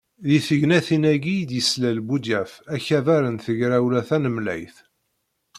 Deg tegnatin-agi i d-yeslal Buḍyaf akabar n Tegrawla Tanemlayt.